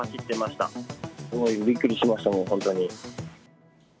すごいびっくりしました、本当に。